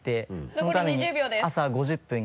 そのために朝５０分に。